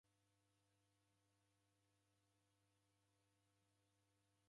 Mwaw'ona sejhi kitoi chabulwa?